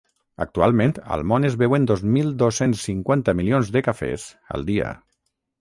Actualment, al món es beuen dos mil dos-cents cinquanta milions de cafès al dia.